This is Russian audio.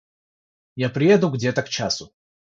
Я приеду где-то к часу.